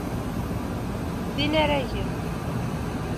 D inaragen.